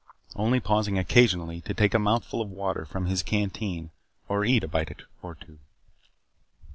Only pausing occasionally to take a mouthful of water from his canteen or eat a bite or two.